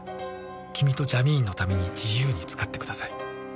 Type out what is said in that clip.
「君とジャミーンのために自由に使ってください」